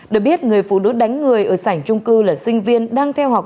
được biết người phụ nữ đánh người ở sảnh trung cư là sinh viên đang theo học